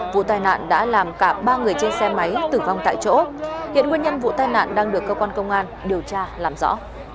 vụ tai nạn đã làm cả ba người trên xe máy tử vong tại chỗ hiện nguyên nhân vụ tai nạn đang được cơ quan công an điều tra làm rõ